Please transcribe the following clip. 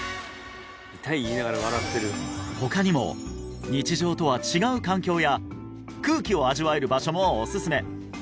他にも日常とは違う環境や空気を味わえる場所もおすすめ！